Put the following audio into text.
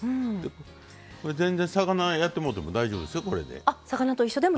全然、魚やってもうても大丈夫ですよ、これ。